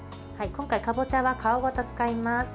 今回、かぼちゃは皮ごと使います。